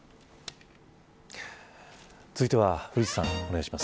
続いては古市さん